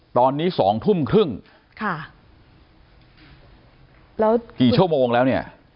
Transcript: ตอนนี้๒ทุ่มครึ่งกี่ชั่วโมงแล้วเนี่ย